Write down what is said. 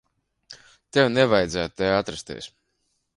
Tev nevajadzētu te atrasties.